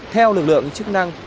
theo lực lượng chức năng